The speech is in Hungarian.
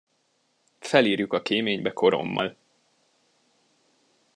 Felírjuk a kéménybe korommal.